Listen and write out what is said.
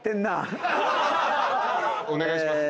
お願いします。